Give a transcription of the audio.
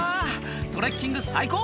「トレッキング最高！